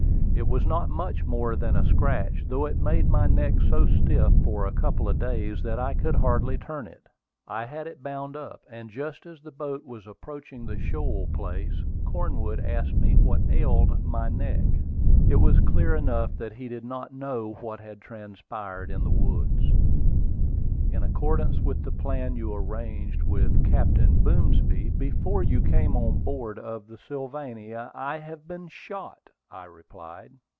It was not much more than a scratch, though it made my neck so stiff for a couple of days that I could hardly turn it. I had it bound up, and just as the boat was approaching the shoal place, Cornwood asked me what ailed my neck. It was clear enough that he did not know what had transpired in the woods. "In accordance with the plan you arranged with Captain Boomsby before you came on board of the Sylvania, I have been shot," I replied.